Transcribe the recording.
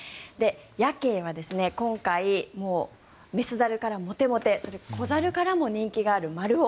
ヤケイは今回、雌猿からモテモテ子猿からも人気があるマルオ